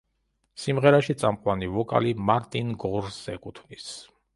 სიმღერაში წამყვანი ვოკალი მარტინ გორს ეკუთვნის.